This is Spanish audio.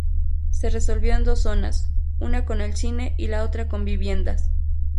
Se resolvió en dos zonas, una con el cine y la otra con viviendas.